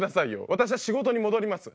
私は仕事に戻ります。